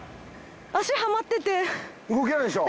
足はまってて動けないでしょ？